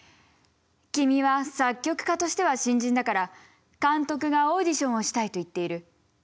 「君は作曲家としては新人だから監督がオーディションをしたいと言っている。